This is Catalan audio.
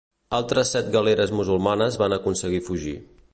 Altres set galeres musulmanes van aconseguir fugir.